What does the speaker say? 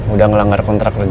udah ngelanggar kontrak lo ja